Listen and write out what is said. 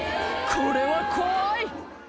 これは怖い